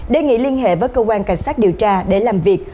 đề nghị liên hệ với cơ quan cảnh sát điều tra để làm việc